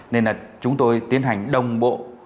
nên là chúng tôi tiến hành đồng bộ